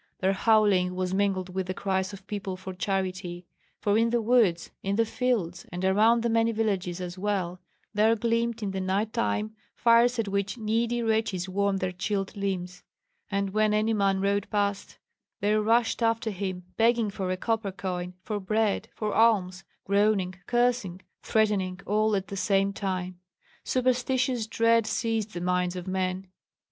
Their howling was mingled with the cries of people for charity; for in the woods, in the fields, and around the many villages as well, there gleamed in the night time fires at which needy wretches warmed their chilled limbs; and when any man rode past they rushed after him, begging for a copper coin, for bread, for alms, groaning, cursing, threatening all at the same time. Superstitious dread seized the minds of men.